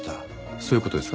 そういう事ですか？